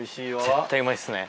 絶対うまいっすね。